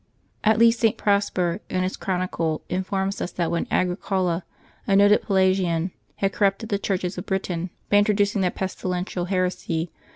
At least St. Prosper, in his chron icle, informs us that when Agricola, a noted Pelagian, had corrupted the churches of Britain by introducing that pes tilential heresy.